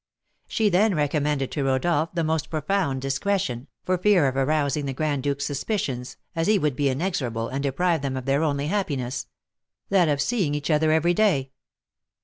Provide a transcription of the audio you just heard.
She then recommended to Rodolph the most profound discretion, for fear of arousing the Grand Duke's suspicions, as he would be inexorable, and deprive them of their only happiness, that of seeing each other every day.